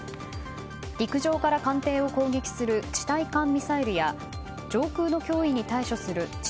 陸上から艦艇を攻撃する地対艦ミサイルや上空の脅威に対処する地